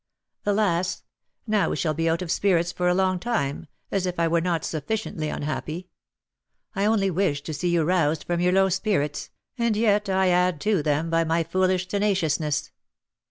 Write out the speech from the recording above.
"Alas! now we shall be out of spirits for a long time, as if I were not sufficiently unhappy! I only wished to see you roused from your low spirits, and yet I add to them by my foolish tenaciousness.